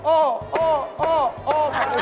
โอโอโอโอ